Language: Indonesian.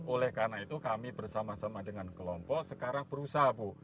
oleh karena itu kami bersama sama dengan kelompok sekarang berusaha bu